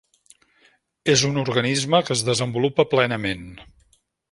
És un organisme que es desenvolupa plenament.